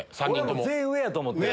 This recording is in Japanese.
俺も全員上やと思ってる。